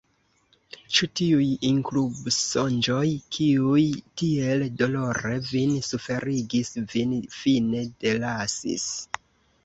Ĉu tiuj inkubsonĝoj, kiuj tiel dolore vin suferigis, vin fine delasis?